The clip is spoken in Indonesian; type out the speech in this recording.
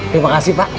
terima kasih pak